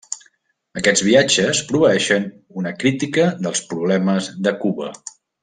Aquests viatges proveeixen una crítica dels problemes de Cuba.